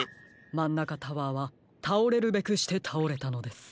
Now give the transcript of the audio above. マンナカタワーはたおれるべくしてたおれたのです。